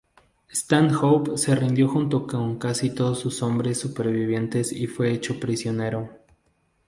Stanhope se rindió junto con casi todos sus hombres supervivientes y fue hecho prisionero.